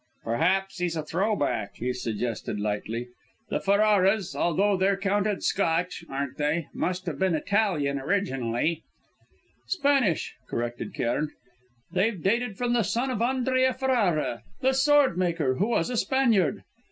"Perhaps he's a throw back," he suggested lightly. "The Ferraras, although they're counted Scotch aren't they? must have been Italian originally " "Spanish," corrected Cairn. "They date from the son of Andrea Ferrara, the sword maker, who was a Spaniard.